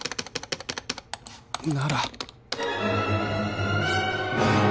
なら。